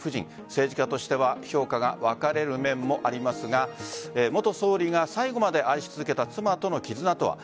政治家としては評価が分かれる面もありますが元総理が最後まで愛し続けた妻との絆とは。